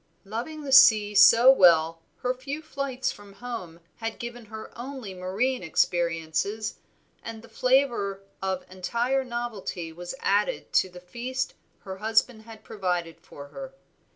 Loving the sea so well, her few flights from home had given her only marine experiences, and the flavor of entire novelty was added to the feast her husband had provided for her.